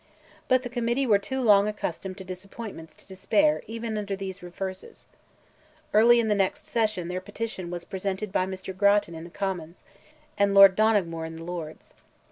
But the Committee were too long accustomed to disappointments to despair even under these reverses. Early in the next session their petition was presented by Mr. Grattan in the Commons, and Lord Donoughmore in the Lords.